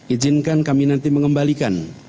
ijinkan kami nanti mengembalikan